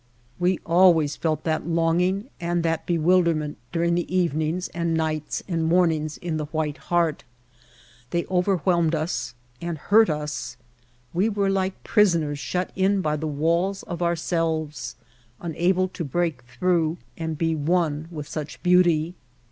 We always felt that longing and that bewil derment during the evenings and nights and mornings in the White Heart. They over whelmed us and hurt us. We were like prison ers shut in by the walls of ourselves, unable to break through and be one with such beauty.